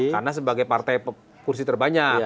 karena sebagai partai kursi terbanyak